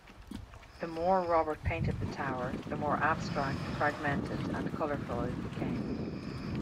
The more Robert painted the tower, the more abstract, fragmented and colorful it became.